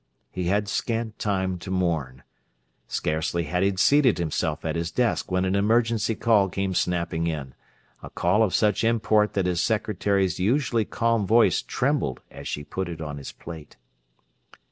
He had scant time to mourn. Scarcely had he seated himself at his desk when an emergency call came snapping in; a call of such import that his secretary's usually calm voice trembled as she put it on his plate.